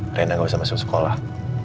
karena rina gak bisa masuk sekolah